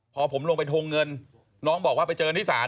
พอผมลงไปทงเงินน้องบอกว่าไปเจอนิศาล